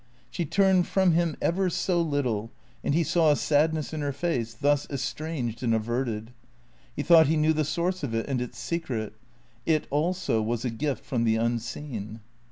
She turned from him ever so little, and he saw a sadness in her face, thus estranged and averted. He thought he knew the source of it and its secret. It also was a gift from the unseen.